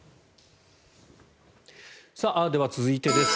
では、続いてです。